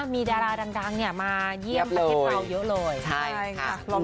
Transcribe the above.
มีดาราดังมาเยี่ยมประเทศเวราอยู่เลย